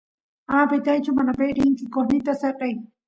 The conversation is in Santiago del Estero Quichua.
ama pitaychu manape rinki qosnita sekyay